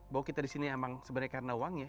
bahwa kita disini emang sebenarnya karena uangnya